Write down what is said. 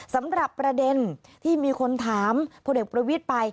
สำหรับประเด็นที่มีคนถามพลเอกประวิทย์ไป